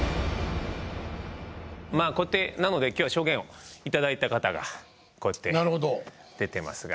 こうやってなので今日は証言を頂いた方がこうやって出てますが。